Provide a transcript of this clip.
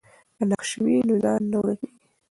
که نقشه وي نو ځای نه ورکېږي.